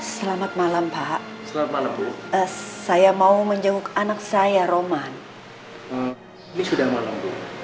selamat malam pak selamat malam saya mau menjauhkan anak saya roman ini sudah malam